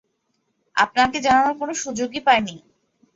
আপনাকে জানানোর কোন সুযোগই পাই নি।